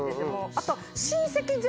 あと。